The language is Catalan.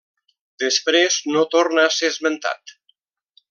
Després no torna a ser esmentat.